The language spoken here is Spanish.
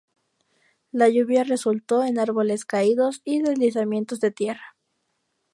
La lluvia resultó en árboles caídos y deslizamientos de tierra.